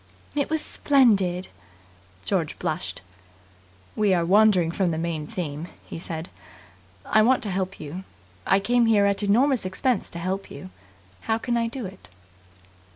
"It was splendid!" George blushed. "We are wandering from the main theme," he said. "I want to help you. I came here at enormous expense to help you. How can I do it?"